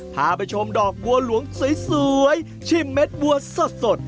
พาไปชมดอกบัวหลวงสวยชิมเม็ดบัวสด